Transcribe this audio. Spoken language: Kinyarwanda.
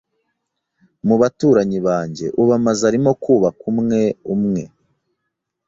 Mu baturanyi banjye, ubu amazu arimo kubakwa umwe umwe.